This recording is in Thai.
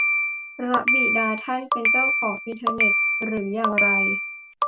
พระบิดาท่านเป็นเจ้าของอินเทอร์เน็ตหรืออย่างไร ?